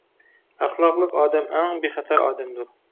ئەخلاقلىق ئادەم ئەڭ بىخەتەر ئادەمدۇر.